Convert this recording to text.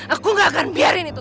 aku gak akan biarin itu